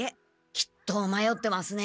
きっとまよってますね。